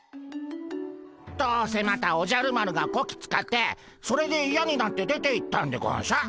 どうせまたおじゃる丸がこき使ってそれでいやになって出ていったんでゴンショ。